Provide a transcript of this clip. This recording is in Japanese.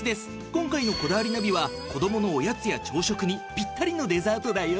今回の『こだわりナビ』は子どものおやつや朝食にピッタリのデザートだよ。